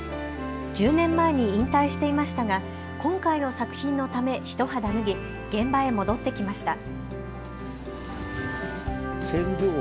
１０年前に引退していましたが今回の作品のため一肌脱ぎ現場へ戻ってきました。